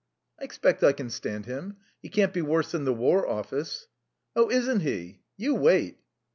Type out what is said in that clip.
"I expect I can stand him. He can't be worse than the War Office." "Oh, isn't he? You wait."